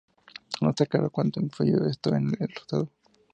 No está claro cuanto influyó esto en el resultado.